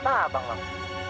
apaan harus buat aku